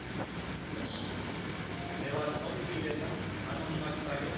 はぁではチョンギーレさんたのみましたよ